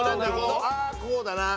ああこうだな。